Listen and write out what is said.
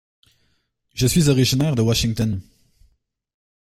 Je suis originaire de Washington.